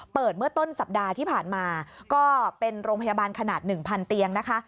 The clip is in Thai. เปิดเมื่อต้นสัปดาห์ที่ผ่านมาก็เป็นโรงพยาบาลขนาด๑๐๐เตียงนะคะ